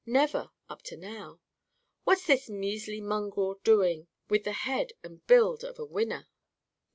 Never, up to now. What's this measly mongrel doing with the head and build of a winner?"